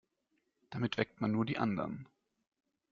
Damit weckt man nur die anderen.